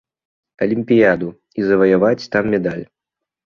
Алімпіяду і заваяваць там медаль.